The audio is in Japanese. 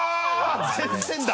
全然だ。